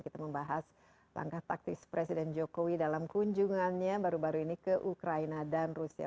kita membahas langkah taktis presiden jokowi dalam kunjungannya baru baru ini ke ukraina dan rusia